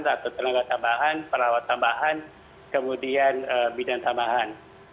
atau tenaga tambahan perawat tambahan kemudian bidan tambahan